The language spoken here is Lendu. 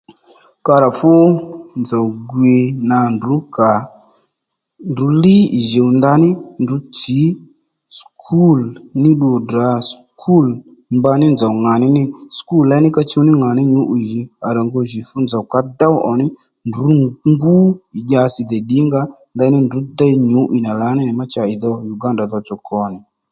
Ka rà fú nzòw gwiy nà ndrǔ kà ndrǔ li ì jùw ndaní ndrǔw tsǐ skul ní ddu tdrǎ skul ngbo nì nzòw ŋàní ní skul léy ní ka chuw ní ŋà ní ní nyǔ'wiy djì à rà ngu jì fú nzòw ka ddów ò ní ndrǔ ngú ì dyasi dè ddìnga ó ndaní ndrǔ déy nyǔ'wiy nà lǎní nì ma cha ì dho Uganda tsotso kwo nì